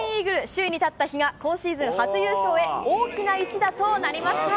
首位に立った比嘉、今シーズン初優勝へ、大きな一打となりました。